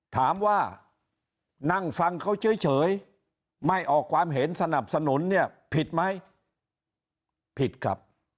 ถามว่านั่งฟังเขาเฉยไม่ออกความเห็นสนับสนุนเนี่ยผิดไหมผิดครับ